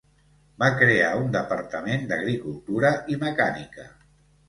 Va crear un departament d'agricultura i mecànica.